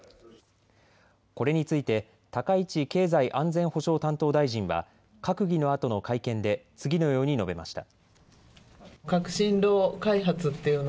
これについて高市経済安全保障担当大臣は閣議のあとの会見で次のように述べました。